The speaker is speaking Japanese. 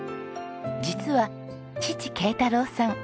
実は父圭太郎さん